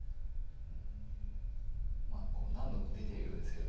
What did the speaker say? まあこう何度も出てるようですけど